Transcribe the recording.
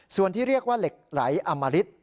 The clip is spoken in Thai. ส่วนที่เรียกว่าเหล็กไหลอมริต